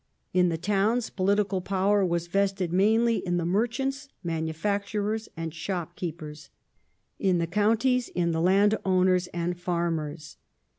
In the towns political power was vested mainly in the merchants, manufacturei's, and shopkeepei*s ; in the counties in the / landowners and the farmers.